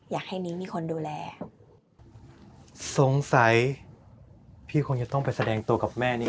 อยากให้นิ้งมีคนดูแลสงสัยพี่คงจะต้องไปแสดงตัวกับแม่นี้